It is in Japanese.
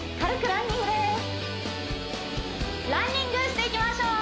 ランニングしていきましょう